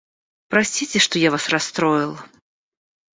Простите, что я вас расстроил.